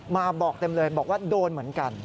มาบอกเต็มเลยบอกว่าโดนเหมือนกัน